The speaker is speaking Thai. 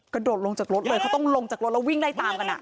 กระโดดลงจากรถเลยเขาต้องลงจากรถแล้ววิ่งไล่ตามกัน